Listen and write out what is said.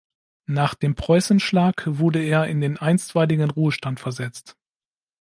Nach dem Preußenschlag wurde er in den einstweiligen Ruhestand versetzt.